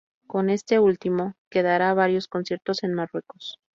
Con este último, que dará varios conciertos en Marruecos.